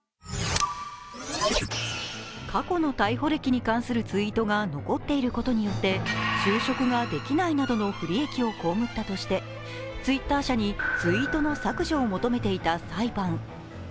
過去の逮捕歴に関するツイートが残っていることによって就職ができないなどの不利益をこうむったとして、ツイッター社にツイートの削除を求めていた裁判。